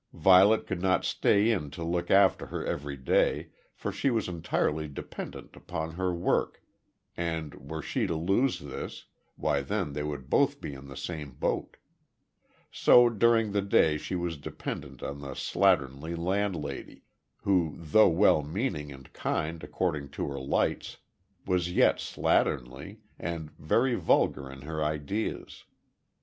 Violet could not stay in to look after her every day, for she was entirely dependent upon her work, and were she to lose this, why then they would both be in the same boat. So during the day she was dependent on the slatternly landlady who though well meaning and kind according to her lights, was yet slatternly, and very vulgar in her ideas.